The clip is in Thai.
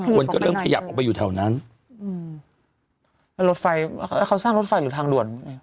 คนก็เริ่มขยับออกไปอยู่แถวนั้นอืมแล้วรถไฟแล้วเขาสร้างรถไฟหรือทางด่วนไง